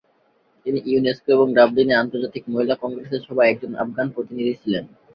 তিনি ইউনেস্কো এবং ডাবলিনে আন্তর্জাতিক মহিলা কংগ্রেসের সভায় একজন আফগান প্রতিনিধি ছিলেন।